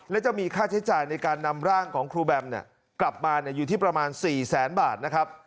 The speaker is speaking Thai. และจะมีค่าใช้จ่ายในการนำร่างของครูแบมกลับมาอยู่ที่ประมาณ๔แสนบาทนะครับ